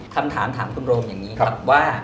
คำถามถามคุณโรงอย่างนี้ครับว่า